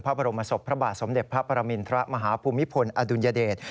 พระบรมศพพระบาทสมเด็จพระปรมินทรมาฮภูมิพลอดุลยเดช